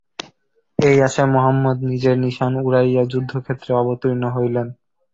এই আশায় মহম্মদ নিজের নিশান উড়াইয়া যুদ্ধক্ষেত্রে অবতীর্ণ হইলেন।